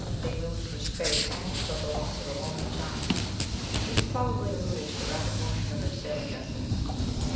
They moved through space almost without the loss of a moment of time." This probably alluded to the rapid motion of their sailing vessels.